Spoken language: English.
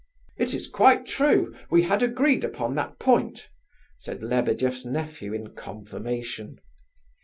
"It is quite true; we had agreed upon that point," said Lebedeff's nephew, in confirmation.